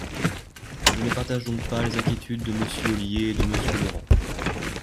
Je ne partage donc pas les inquiétudes de Monsieur Ollier et de Monsieur Laurent.